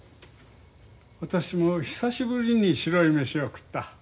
私も久しぶりに白い飯を食った。